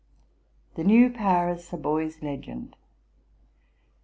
43 THE NEW PARIS. A BOY'S LEGEND.